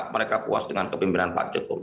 mereka puas dengan kepimpinan pak jokowi